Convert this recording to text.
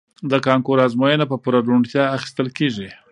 د کانکور ازموینه په پوره روڼتیا اخیستل کیږي.